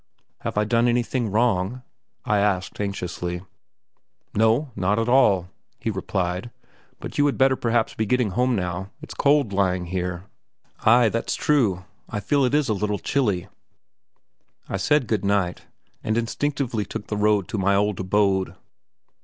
"Have I done anything wrong?" I asked anxiously. "No, not at all!" he replied; "but you had perhaps better be getting home now; it's cold lying here." "Ay, that's true; I feel it is a little chilly." I said good night, and instinctively took the road to my old abode.